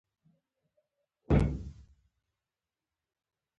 د دې غرونه زموږ غرور دی؟